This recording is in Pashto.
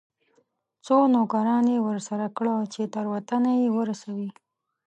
څو نوکران یې ورسره کړه چې تر وطنه یې ورسوي.